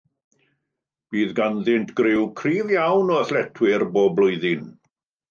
Bydd ganddynt griw cryf iawn o athletwyr bob blwyddyn.